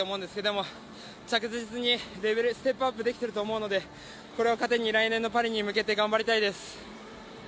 でも、着実にレベルステップアップできていると思うのでこれを糧に来年のパリに向けて頑張りたいです。